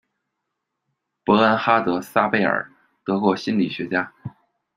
伯恩哈德·萨贝尔，德国心理学家。